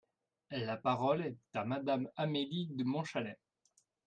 La parole est à Madame Amélie de Montchalin.